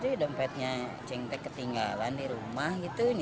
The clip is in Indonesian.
dilihat dompetnya cintik ketinggalan di rumah gitu